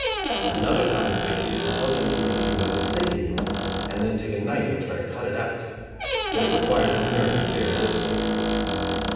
Another common fake is to tell the keeper that you have a snake in your arm, and then take a knife and try to cut it out; but it requires nerve to carry this fake through.